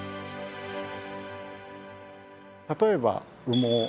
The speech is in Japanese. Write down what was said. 例えば羽毛。